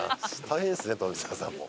大変ですね富澤さんも。